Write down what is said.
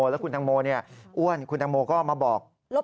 แล้วคุณตังโมอ้วนคุณตังโมก็มาบอก